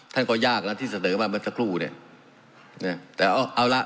ก็ยากแล้วที่เสนอมาเมื่อสักครู่เนี่ยนะแต่เอาเอาละ